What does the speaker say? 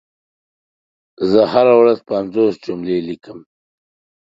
زه هره ورځ پنځوس جملي ليکم شوي